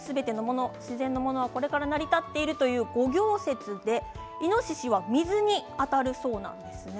自然のものはこれから成り立っているという五行説でイノシシは水にあたるそうなんです。